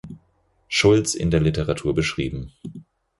Schultz in der Literatur beschrieben.